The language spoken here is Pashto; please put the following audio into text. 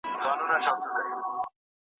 ژور فکر کول اړین دي.